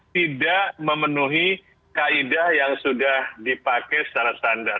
tidak memenuhi kaedah yang sudah dipakai secara standar